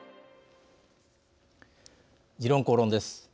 「時論公論」です。